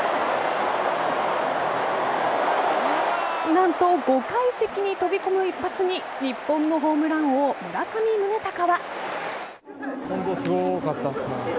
何と５階席に飛び込む一発に日本のホームラン王・村上宗隆は。